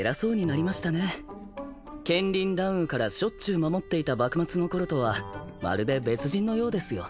剣林弾雨からしょっちゅう守っていた幕末の頃とはまるで別人のようですよ。